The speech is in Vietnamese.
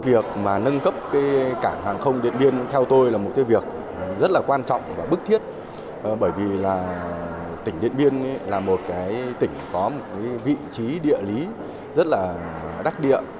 việc mà nâng cấp cảng hàng không điện biên theo tôi là một cái việc rất là quan trọng và bức thiết bởi vì là tỉnh điện biên là một tỉnh có một vị trí địa lý rất là đắc điện